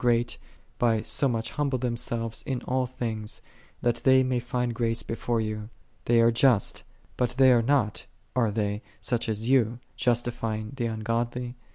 great, by so much humble themselves in all things, that they may find grace before Thee. They are just: but they are not, are they, such as Thou, justifying the ungodly?